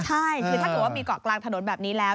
ใช่คือถ้าเกิดว่ามีเกาะกลางถนนแบบนี้แล้ว